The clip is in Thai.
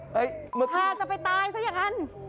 ฆ่าจะไปตายซะอย่างนั้น